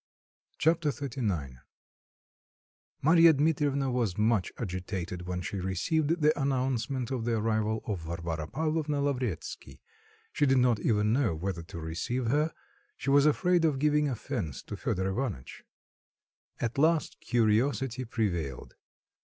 Chapter XXXIX Marya Dmitrievna was much agitated when she received the announcement of the arrival of Varvara Pavlovna Lavretsky, she did not even know whether to receive her; she was afraid of giving offence to Fedor Ivanitch. At last curiosity prevailed.